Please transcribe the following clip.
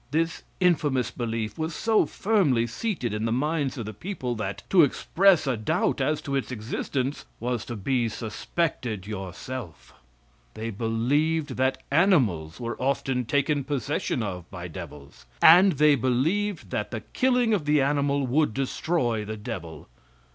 This infamous belief was so firmly seated in the minds of the people, that, to express a doubt as to its existence was to be suspected yourself. They believed that animals were often taken possession of by devils, and they believed that the killing of the animal would destroy the devil.